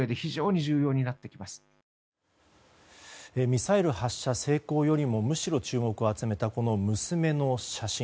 ミサイル発射成功よりもむしろ注目を集めた娘の写真。